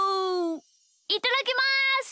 いただきます！